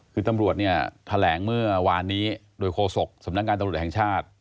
คือตำรวจเนี่ยแถลงเมื่อวานนี้โดยโฆษกสำนักงานตำรวจแห่งชาติ